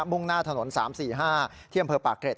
มุ่งหน้าถนน๓๔๕เที่ยมเผลอป่าเกร็ด